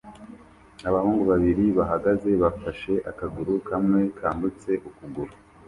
Abahungu babiri bahagaze bafashe akaguru kamwe kambutse ukuguru